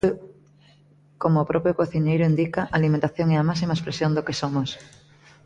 Como o propio cociñeiro indica, a alimentación é a máxima expresión do que somos.